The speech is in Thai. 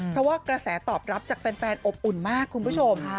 เพราะว่ากระแสตอบรับจากแฟนอบอุ่นมากคุณผู้ชม